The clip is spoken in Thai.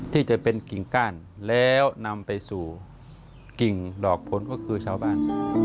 ที่จะเป็นกิ่งก้านแล้วนำไปสู่กิ่งดอกผลก็คือชาวบ้าน